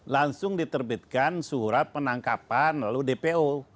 langsung diterbitkan surat penangkapan lalu dpo